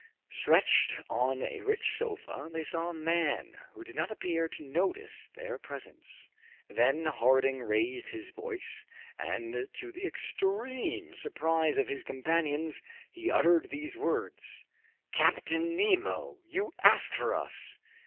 Stretched on a rich sofa they saw a man, who did not appear to notice their presence. Then Harding raised his voice, and to the extreme surprise of his companions, he uttered these words, "Captain Nemo, you asked for us!